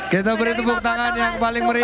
kita beri tepuk tangan yang paling meriah